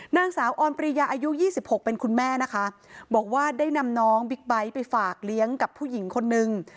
นางสาวออนปริยาอายุ๒๖เป็นคุณแม่นะคะบอกว่าได้นำน้องบิ๊กไบท์ไปฝากเลี้ยงกับผู้หญิงคนนึง